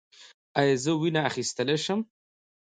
ایا زه وینه اخیستلی شم؟